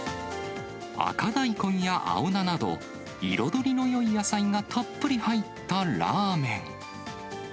赤大根や青菜など、彩りのよい野菜がたっぷり入ったラーメン。